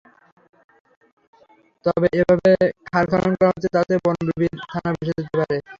তবে যেভাবে খাল খনন করা হচ্ছে তাতে বনবিবির থান ভেসে যেতে পারে।